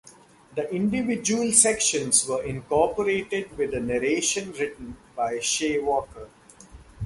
The individual sections were incorporated with a narration written by Che Walker.